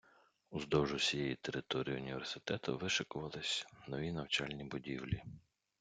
Уздовж усієї території університету вишикувались нові навчальні будівлі.